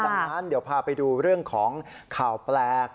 ดังนั้นเดี๋ยวพาไปดูเรื่องของข่าวแปลก